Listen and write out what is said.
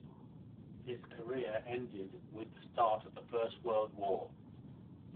His career ended with the start of the First World War.